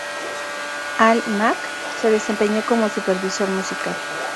Al Mack se desempeñó como supervisor musical.